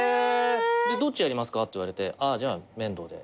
どっちやりますかって言われてじゃあ面堂でっていって。